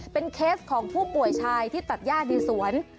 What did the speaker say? เป็นเคสของผู้ป่วยชายที่ตัดย่าดินสวน